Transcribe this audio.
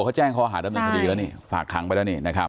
เขาแจ้งเขาอาหารดำเนินพอดีแล้วนี่